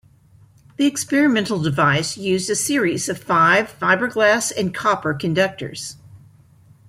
The experimental device used a series of five fiberglass and copper conductors.